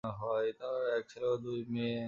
তাঁর এক ছেলে ও দুই মেয়ে।